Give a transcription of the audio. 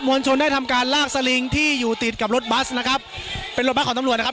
ลชนได้ทำการลากสลิงที่อยู่ติดกับรถบัสนะครับเป็นรถบัสของตำรวจนะครับ